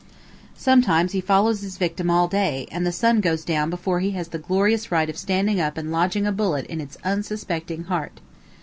Sometimes he follows his victim all day, and the sun goes down before he has the glorious right of standing up and lodging a bullet in its unsuspecting heart.